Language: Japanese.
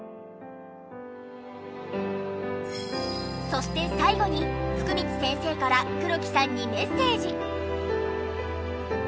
そして最後に福光先生から黒木さんにメッセージ。